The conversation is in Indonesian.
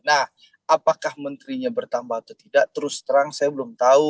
nah apakah menterinya bertambah atau tidak terus terang saya belum tahu